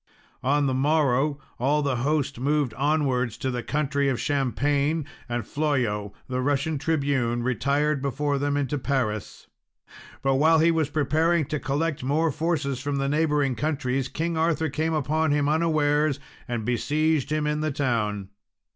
On the morrow, all the host moved onwards into the country of Champagne, and Flollo, the Roman tribune, retired before them into Paris. But while he was preparing to collect more forces from the neighbouring countries, King Arthur came upon him unawares, and besieged him in the town.